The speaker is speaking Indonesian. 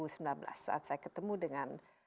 saat saya ketemu dengan